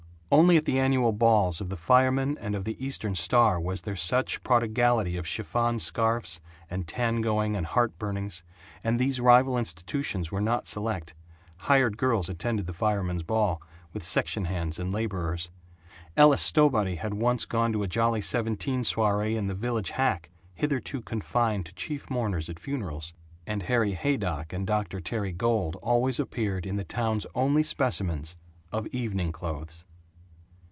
Only at the annual balls of the Firemen and of the Eastern Star was there such prodigality of chiffon scarfs and tangoing and heart burnings, and these rival institutions were not select hired girls attended the Firemen's Ball, with section hands and laborers. Ella Stowbody had once gone to a Jolly Seventeen Soiree in the village hack, hitherto confined to chief mourners at funerals; and Harry Haydock and Dr. Terry Gould always appeared in the town's only specimens of evening clothes.